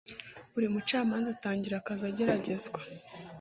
buri mucamanza atangira akazi ageragezwa